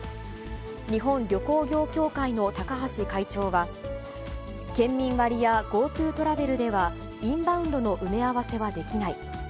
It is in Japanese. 日本旅行業協会の高橋会長は、県民割やＧｏＴｏトラベルでは、インバウンドの埋め合わせはできない。